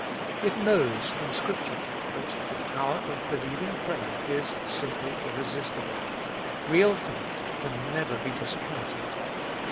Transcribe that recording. It knows from Scripture that the power of believing prayer is simply irresistible ; real faith can never be disappointed.